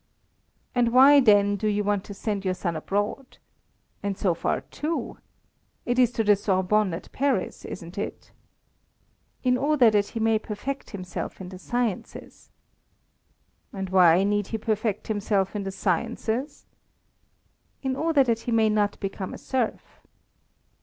And why, then, do you want to send your son abroad? And so far too? It is to the Sorbonne at Paris, isn't it?" "In order that he may perfect himself in the sciences." "And why need he perfect himself in the sciences?" "In order that he may not become a serf."